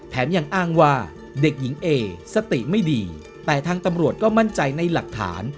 ยังอ้างว่าเด็กหญิงเอสติไม่ดีแต่ทางตำรวจก็มั่นใจในหลักฐาน